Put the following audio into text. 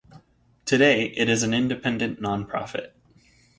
Today, it is an independent non-profit.